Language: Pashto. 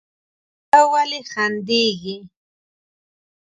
ته ولې خندېږې؟